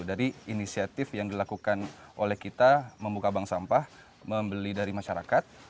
dari inisiatif yang dilakukan oleh kita membuka bank sampah membeli dari masyarakat